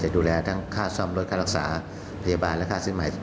จะดูแลทั้งค่าซ่อมเลือดลักษยาบาลและค่าซิ่งไหม